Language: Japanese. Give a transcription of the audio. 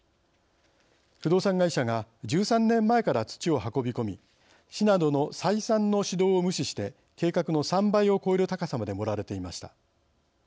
不動産会社が１３年前から土を運び込み市などの再三の指導を無視して計画の３倍を超える高さまで盛られていました。